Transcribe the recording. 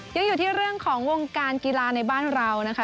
ยังอยู่ที่เรื่องของวงการกีฬาในบ้านเรานะคะ